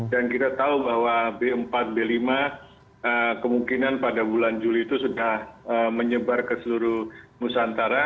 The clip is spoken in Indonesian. dan kita tahu bahwa b empat b lima kemungkinan pada bulan juli itu sudah menyebar ke seluruh nusantara